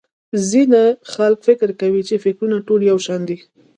ځينې خلک فکر کوي چې٫ فکرونه ټول يو شان دي.